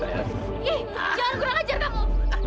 yeh jangan kurang ajar kamu